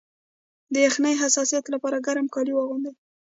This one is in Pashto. د یخنۍ د حساسیت لپاره ګرم کالي واغوندئ